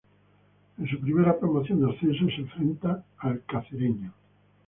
En su primera promoción de ascenso se enfrenta al Cacereño.